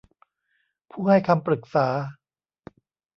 ผู้ให้คำปรึกษา